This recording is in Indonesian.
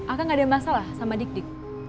akang nggak ada masalah sama dik dik